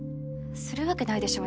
するわけないでしょ